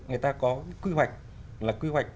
người ta có quy hoạch